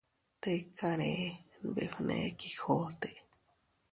—Tikaree— nbefne Quijote—.